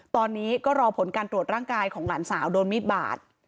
ตอนนี้ก็รอผลการตรวจร่างกายของหลานสาวโดนมีดบาด